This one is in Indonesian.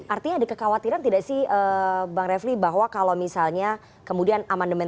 artinya ada kekhawatiran tidak sih bang refli bahwa kalau misalnya kemudian amandemen